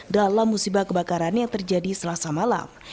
dalam musibah kebakaran yang terjadi selasa malam